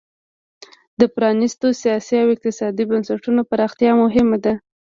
د پرانیستو سیاسي او اقتصادي بنسټونو پراختیا مهمه ده.